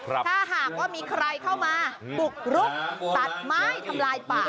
ถ้าหากว่ามีใครเข้ามาบุกรุกตัดไม้ทำลายป่า